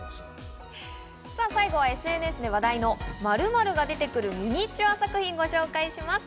さぁ最後はＳＮＳで話題の○○が出てくるミニチュア作品をご紹介します。